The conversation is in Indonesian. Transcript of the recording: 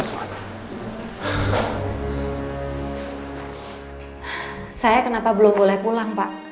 saya kenapa belum boleh pulang pak